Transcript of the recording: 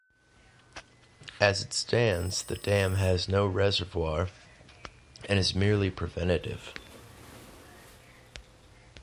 As it stands, the dam has no reservoir, and is merely preventive.